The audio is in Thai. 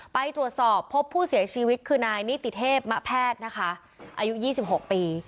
ไปตรวจสอบพบผู้เสียชีวิตคือนายนิติเทพมะแพทย์นะคะอายุ๒๖ปี